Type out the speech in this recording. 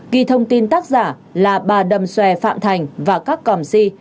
ghi thông tin tác giả là bà đầm xòe phạm thành và các còm si